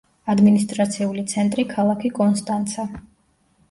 ადმინისტრაციული ცენტრი ქალაქი კონსტანცა.